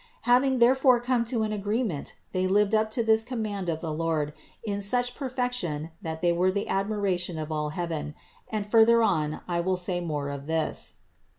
Having therefore come to an agreement they lived up to this command of the Lord in such perfection that they were the admira tion of all heaven ; and further on I will say more of this (Nos.